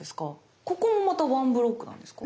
ここもまた１ブロックなんですか？